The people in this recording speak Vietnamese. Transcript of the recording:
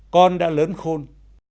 con đã lớn khôn